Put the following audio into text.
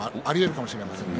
かもしれませんね。